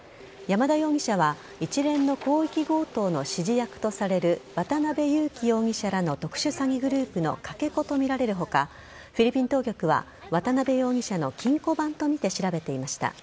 山田容疑者は一連の広域強盗の指示役とされる渡辺優樹容疑者らの特殊詐欺グループのかけ子とみられる他フィリピン当局は渡辺容疑者の金庫番とみて調べていました。